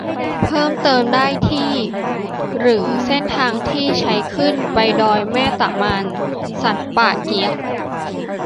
เพิ่มเติมได้ที่ หรือ เส้นทางที่ใช้ขึ้นไปดอยแม่ตะมาน สันป่าเกี๊ยะ